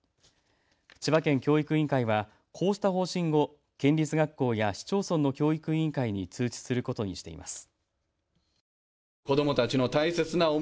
千葉県教育委員会はこうした方針を県立学校や市町村の教育委員会に通知することにしています。